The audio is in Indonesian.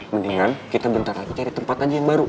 mendingan kita bentar lagi cari tempat aja yang baru